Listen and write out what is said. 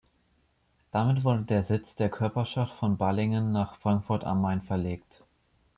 Damit wurde der Sitz der Körperschaft von Balingen nach Frankfurt am Main verlegt.